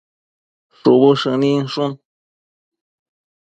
shubu shëninshun